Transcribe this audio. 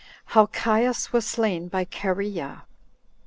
How Caius 1 Was Slain By Cherea.